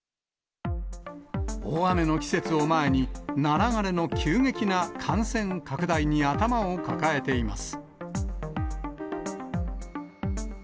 大雨の季節を前に、ナラ枯れの急激な感染拡大に頭を抱えています。